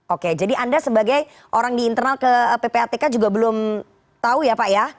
oke jadi anda sebagai orang di internal ke ppatk juga belum tahu ya pak ya